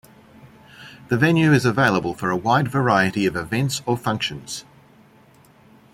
The venue is available for a wide variety of events or functions.